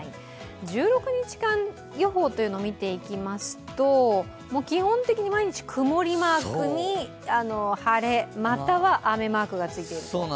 １６日間予報というのを見ていきますと基本的に毎日、曇りマークに晴れ、または雨マークがついていると。